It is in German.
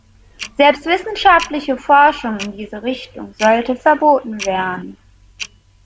Selbst wissenschaftliche Forschung in diese Richtung sollte verboten werden.